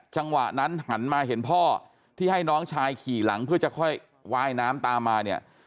จังหวะนั้นหันมาเห็นพ่อที่ให้น้องชายขี่หลังเพื่อจะค่อยว่ายน้ำตามมาเนี่ย